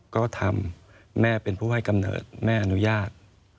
ก็ทำแม่เป็นผู้ให้กำเนิดแม่อนุญาต